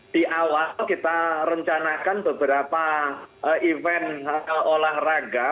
di awal kita rencanakan beberapa event olahraga